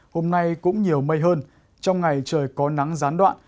hôm nay cũng nhiều mây hơn trong ngày trời có nắng gián đoạn